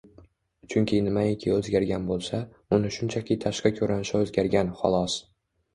Chunki nimaiki o‘zgargan bo‘lsa, uni shunchaki tashqi ko‘rinishi o‘zgargan, xolos.